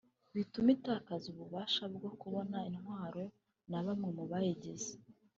bitume itakaza ububasha bwo kubona intwaro na bamwe mu bayigize